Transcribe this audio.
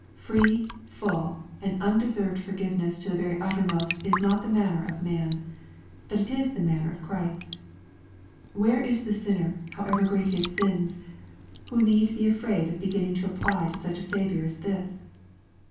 Free, full, and undeserved forgiveness to the very uttermost is not the manner of man. But it is the manner of Christ. Where is the sinner, however great his sins, who need be afraid of beginning to apply to such a Saviour as this